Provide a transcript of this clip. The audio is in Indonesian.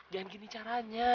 jangan gini caranya